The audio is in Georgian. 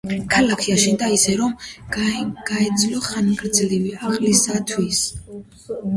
ქალაქი აშენდა ისე, რომ გაეძლო ხანგრძლივი ალყისათვის.